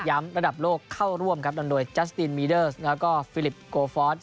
ระดับโลกเข้าร่วมครับนำโดยจัสตินมีเดอร์สแล้วก็ฟิลิปโกฟอส